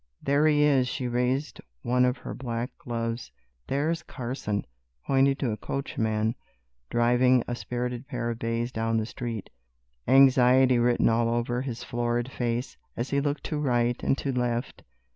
"There he is," she raised one of her black gloves, "there's Carson," pointing to a coachman driving a spirited pair of bays down the street, anxiety written all over his florid face, as he looked to right and to left.